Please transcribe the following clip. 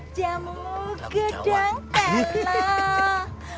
jamu gedang telah